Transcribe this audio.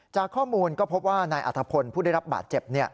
จากข้อมูลก็พบว่านายอัธพลผู้ได้รับบาดเจ็บ